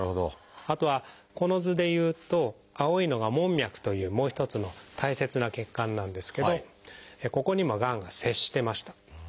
あとはこの図でいうと青いのが「門脈」というもう一つの大切な血管なんですけどここにもがんが接してました。